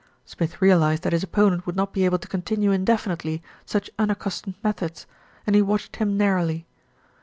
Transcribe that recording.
Smith realised that his opponent would not be able to continue indefinitely such unaccustomed methods, and he watched him narrowly.